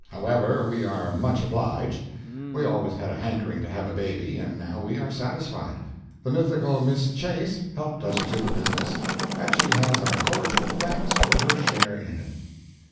However, we are much obliged—we always had a hankering to have a baby, and now we are satisfied—the mythical "Miss Chase" helped us to the business, and she has our cordial thanks for her share in it.